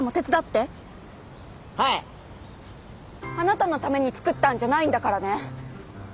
だからあなたのために作ったんじゃないんだからね！